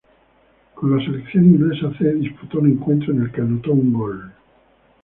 Con la selección inglesa C disputó un encuentro, en el que anotó un gol.